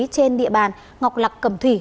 trên địa bàn ngọc lạc cẩm thủy